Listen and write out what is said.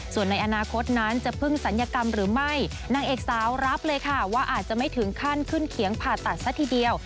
ส่วนในอนาคตนั้นจะพึ่งศัลยกรรมหรือไม่นางเอกสาวรับเลยค่ะว่าอาจจะไม่ถึงขั้นขึ้นเขียงผ่าตัดซะทีเดียว